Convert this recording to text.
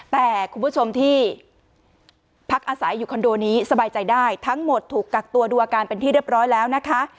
แต่คุณผู้ชมที่พักอาศัยอยู่คอนโดนี้สบายใจได้ทั้งหมดถูกกักตัวดูอาการเป็นที่เรียบร้อยแล้วนะคะ